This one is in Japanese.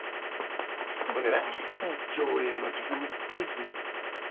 ほんでな常連のお客に恋すんねん。